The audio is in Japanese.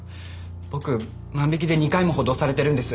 僕万引きで２回も補導されてるんです。